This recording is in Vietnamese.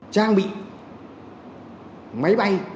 trang bị máy bay